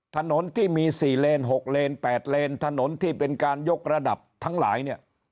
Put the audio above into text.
ถนนที่มี๔เลน๖เลน๘เลนถนนที่เป็นการยกระดับทั้งหลายเนี่ย